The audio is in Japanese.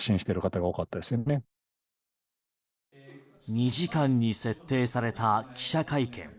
２時間に設定された記者会見。